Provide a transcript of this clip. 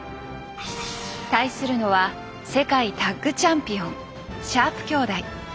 対するのは世界タッグチャンピオンシャープ兄弟。